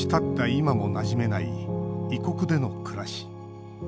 今も、なじめない異国での暮らし。